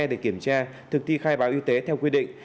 để kiểm tra thực thi khai báo y tế theo quy định